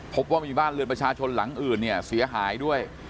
พบว่ามีบ้านเรือนประชาชนหลังอื่นเนี่ยเสียหายด้วย